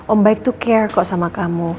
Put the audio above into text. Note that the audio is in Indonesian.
om baik tuh care kok sama kamu